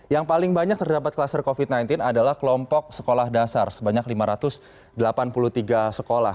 yang paling banyak terdapat kluster covid sembilan belas adalah kelompok sekolah dasar sebanyak lima ratus delapan puluh tiga sekolah